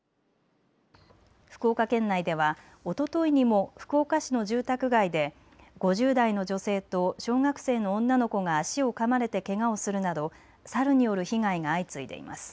福岡県内ではおとといにも福岡市の住宅街で５０代の女性と小学生の女の子が足をかまれてけがをするなどサルによる被害が相次いでいます。